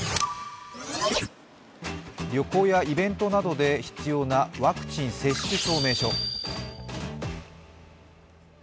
旅行やイベントなどで必要なワクチン接種証明書。